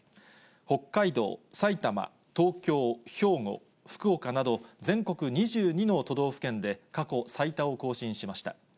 北海道、埼玉、東京、兵庫、福岡など、全国２２の都道府県で、過去最多を更新しました。